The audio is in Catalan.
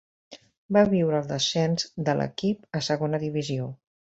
Va viure el descens de l'equip a Segona Divisió.